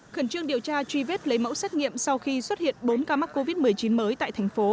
khẩn trương điều tra truy vết lấy mẫu xét nghiệm sau khi xuất hiện bốn ca mắc covid một mươi chín mới tại thành phố